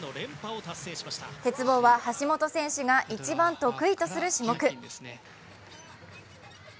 鉄棒は橋本選手が一番得意とする種目。